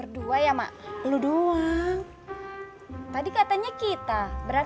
dinah getting pour